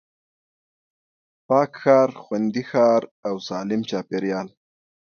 پاک ښار، خوندي ښار او سالم چاپېريال